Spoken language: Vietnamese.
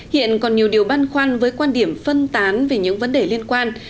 hiện còn nhiều điều băn khoăn với quan điểm phân tán về những vấn đề liên quan